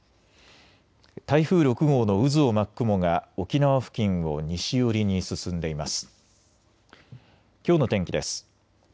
台風６号の渦を巻く雲が沖縄付近を西寄りに進んでいます。